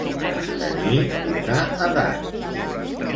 Tenir una edat.